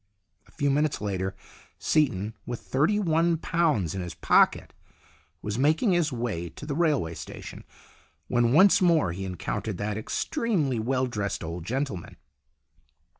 A few minutes later Seaton, with thirty one pounds in his pocket, was making his way to the railway station, when once more he encountered that extremely well dressed old gentleman.